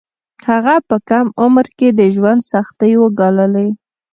هغه په کم عمر کې د ژوند سختۍ وګاللې